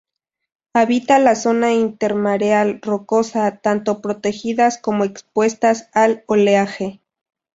Habita la zona intermareal rocosa, tanto protegidas como expuestas al oleaje.